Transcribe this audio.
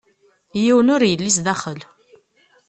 Yiwen ur yelli zdaxel.